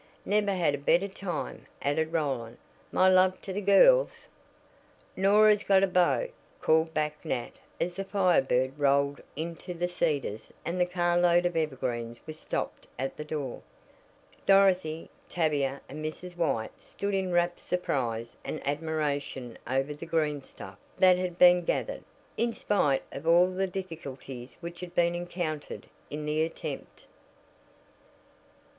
"Never had a better time," added Roland. "My love to the girls " "Norah's got a beau!" called back Nat as the Fire Bird rolled into The Cedars and the carload of evergreens was stopped at the door. Dorothy, Tavia and Mrs. White stood in rapt surprise and admiration over the "greenstuff" that had been gathered, in spite of all the difficulties which had been encountered in the attempt.